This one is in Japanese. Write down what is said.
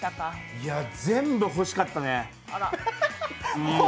全部、欲しかったね。